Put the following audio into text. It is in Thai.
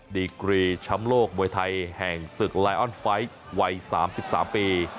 ดีกรีช้ำโลกมวยไทยแห่งศึกไลออนไฟท์วัย๓๓ปี